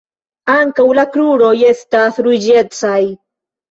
Ankaŭ la kruroj estas ruĝecaj.